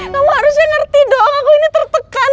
kamu harusnya ngerti dong aku ini tertekan